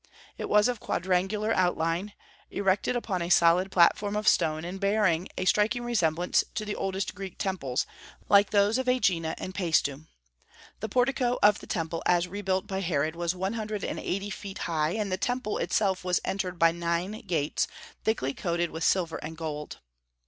It was of quadrangular outline, erected upon a solid platform of stone, and bearing a striking resemblance to the oldest Greek temples, like those of Aegina and Paestum. The portico of the Temple as rebuilt by Herod was one hundred and eighty feet high, and the Temple itself was entered by nine gates, thickly coated with silver and gold.